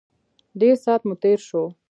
ډېر سات مو تېر شو.